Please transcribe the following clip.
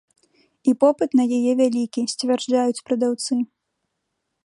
І попыт на яе вялікі, сцвярджаюць прадаўцы.